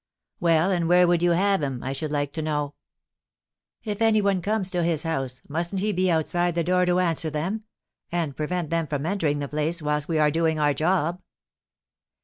"Well, and where would you have him, I should like to know? If any one comes to his house, mustn't he be outside the door to answer them, and prevent them from entering the place whilst we are doing our 'job?'"